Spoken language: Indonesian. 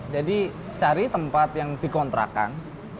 jadi cari tempat yang dikontrakan